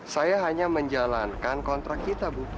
saya hanya menjalankan kontrak kita bu